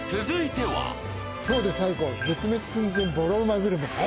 続いては「今日で最後⁉絶滅寸前ボロウマグルメ」。